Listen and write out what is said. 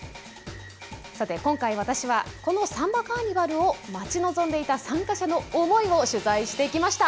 今回私はこのサンバカーニバルを待ち望んでいた参加者の思いを取材してきました。